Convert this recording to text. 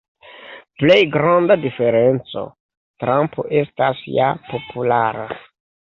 Plej granda diferenco: Trump estas ja populara.